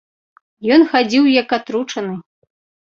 Ён хадзіў, як атручаны.